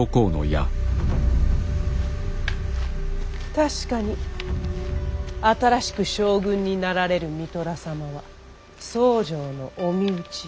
確かに新しく将軍になられる三寅様は僧正のお身内。